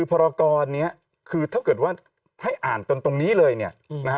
พรกรนี้คือถ้าเกิดว่าให้อ่านจนตรงนี้เลยเนี่ยนะฮะ